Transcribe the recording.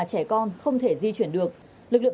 trẻ con không thể di chuyển được lực lượng